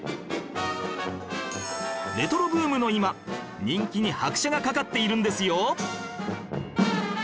レトロブームの今人気に拍車がかかっているんですよ